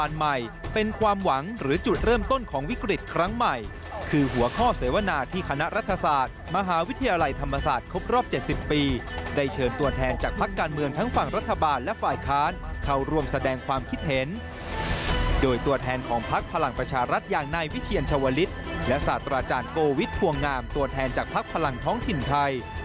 และศาสตร์อาจารย์โกวิททวงงามตัวแทนจากภักดิ์พลังท้องถิ่นไทย